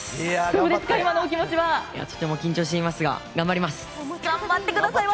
とても緊張していますが、頑張ります。